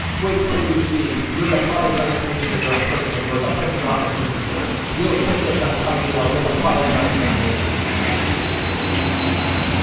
Wait till you see! You'll apologise to me for your impertinence or you'll quit the office instanter! You'll quit this, I'm telling you, or you'll apologise to me!"